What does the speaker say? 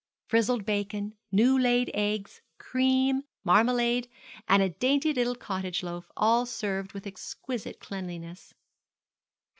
Frizzled bacon, new laid eggs, cream, marmalade, and a dainty little cottage loaf, all served with exquisite cleanliness.